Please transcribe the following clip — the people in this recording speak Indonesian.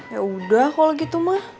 ya udah kalau gitu mah